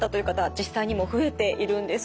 実際にも増えているんです。